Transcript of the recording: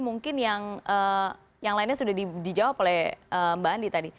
mungkin yang lainnya sudah dijawab oleh mbak andi tadi